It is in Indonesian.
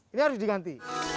ini harus diganti